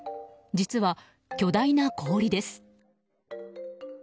実は、巨大な氷です。